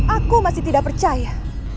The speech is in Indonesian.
aku masih tidak percaya